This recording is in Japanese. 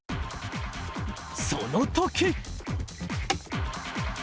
その時！